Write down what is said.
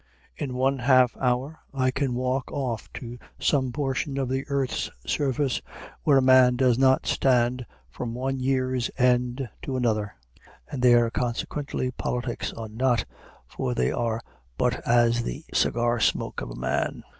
In one half hour I can walk off to some portion of the earth's surface where a man does not stand from one year's end to another, and there, consequently, politics are not, for they are but as the cigar smoke of a man.